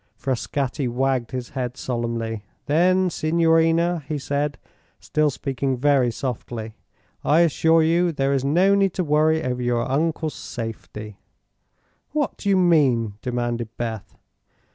Frascatti wagged his head solemnly. "Then, signorina," he said, still speaking very softly, "I assure you there is no need to worry over your uncle's safety." "What do you mean?" demanded Beth.